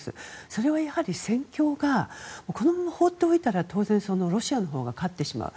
それは戦況がこのまま放っておいたら当然、ロシアのほうが勝ってしまう。